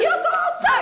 kau pergi ke luar